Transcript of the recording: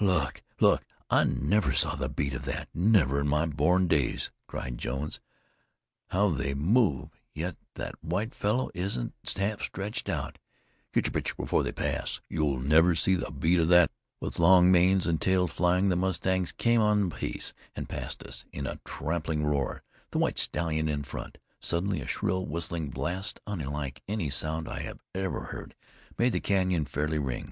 "Look! Look! I never saw the beat of that never in my born days!" cried Jones. "How they move! yet that white fellow isn't half stretched out. Get your picture before they pass. You'll never see the beat of that." With long manes and tails flying, the mustangs came on apace and passed us in a trampling roar, the white stallion in the front. Suddenly a shrill, whistling blast, unlike any sound I had ever heard, made the canyon fairly ring.